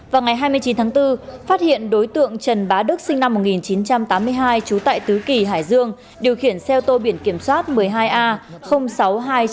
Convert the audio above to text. vào ngày hai mươi chín tháng bốn phát hiện đối tượng trần bá đức sinh năm một nghìn chín trăm tám mươi hai trú tại tứ kỳ hải dương điều khiển xe ô tô biển kiểm soát một mươi hai a sáu nghìn hai trăm sáu mươi